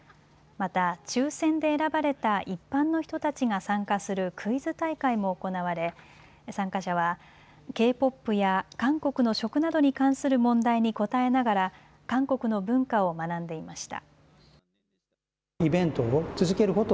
また、抽せんで選ばれた一般の人たちが参加するクイズ大会も行われ参加者はＫーＰＯＰや韓国の食などに関する問題に答えながら韓国の文化を学んでいました。